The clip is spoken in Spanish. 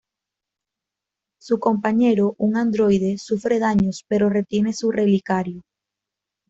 Su compañero, un androide, sufre daños, pero retiene su relicario.